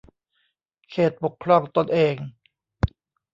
เขตปกครองตนเอง